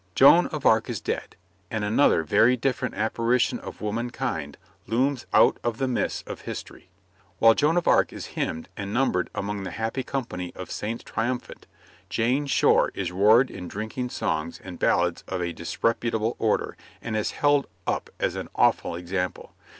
Joan of Arc is dead, and another very different apparition of womankind looms out of the mists of history. Whilst Joan of Arc is hymned and numbered among the happy company of saints triumphant, Jane Shore is roared in drinking songs and ballads of a disreputable order, and is held up as an awful example.